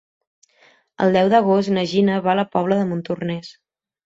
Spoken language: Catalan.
El deu d'agost na Gina va a la Pobla de Montornès.